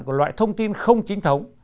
của loại thông tin không chính thống